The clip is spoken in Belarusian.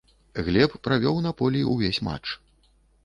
Глеб правёў на полі ўвесь матч.